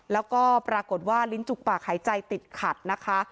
แล้วก็ปรากฏว่าลิ้นจุกปากหายใจติดขัดนะคะ